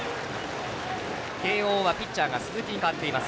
慶応はピッチャーが鈴木に代わっています。